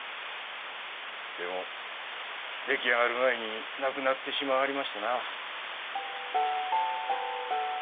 でもできあがる前に亡くなってしまはりましてな。